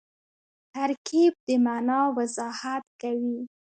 ترکیب د مانا وضاحت کوي.